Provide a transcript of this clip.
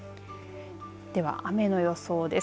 では、雨の予想です。